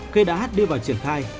khi đã hát đi vào triển khai